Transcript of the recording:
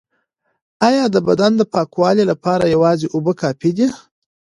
ایا د بدن د پاکوالي لپاره یوازې اوبه کافی دي؟